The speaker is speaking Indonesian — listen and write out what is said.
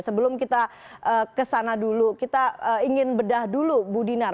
sebelum kita kesana dulu kita ingin bedah dulu bu dinar